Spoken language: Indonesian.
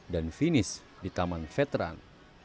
dan vinis di taman veteran